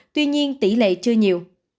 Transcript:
tuy nhiên tỷ lệ chưa nhiều